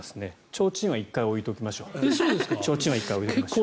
ちょうちんは１回置いておきましょう。